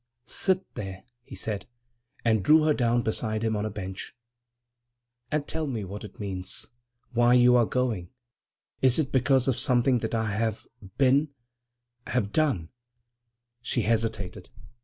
< 8 > "Sit here," he said, and drew her down beside him on a bench, "and tell me what it means, why you are going. Is it because of something that I have been—have done?" She hesitated.